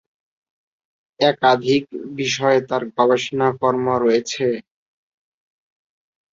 একাধিক বিষয়ে তার গবেষণা কর্ম রয়েছে।